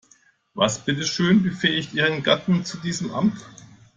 Was bitteschön befähigt ihren Gatten zu diesem Amt?